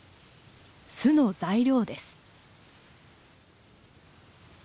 巣の材料です。